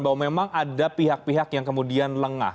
bahwa memang ada pihak pihak yang kemudian lengah